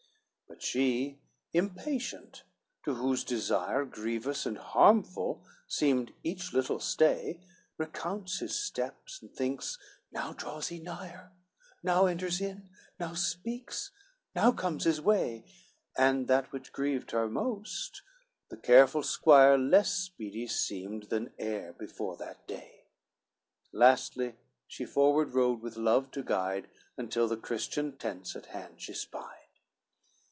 CII But she, impatient, to whose desire Grievous and harmful seemed each little stay, Recounts his steps, and thinks, now draws he nigher, Now enters in, now speaks, now comes his way; And that which grieved her most, the careful squire Less speedy seemed than e'er before that day; Lastly she forward rode with love to guide, Until the Christian tents at hand she spied.